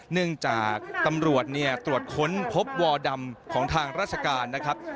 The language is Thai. เนื่องจากตำรวจตรวจค้นพบวอดำของทางราชการ